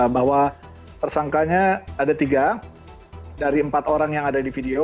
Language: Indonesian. bahwa tersangkanya ada tiga dari empat orang yang ada di video